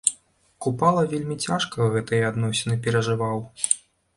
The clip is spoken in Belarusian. Купала вельмі цяжка гэтыя адносіны перажываў.